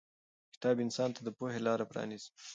کتاب انسان ته د پوهې لارې پرانیزي.